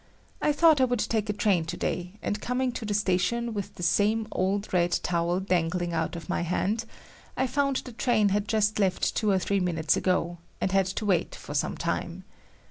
I thought I would take a train to day, and coming to the station with the same old red towel dangling out of my hand, I found the train had just left two or three minutes ago, and had to wait for some time.